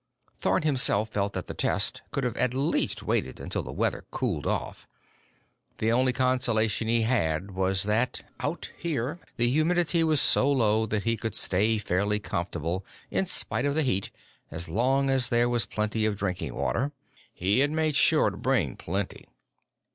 Thorn himself felt that the test could have at least waited until the weather cooled off. The only consolation he had was that, out here, the humidity was so low that he could stay fairly comfortable in spite of the heat as long as there was plenty of drinking water. He had made sure to bring plenty.